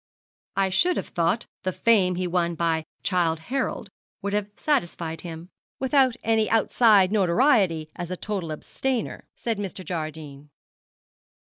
'I should have thought the fame he won by "Childe Harold" would have satisfied him, without any outside notoriety as a total abstainer,' said Mr. Jardine.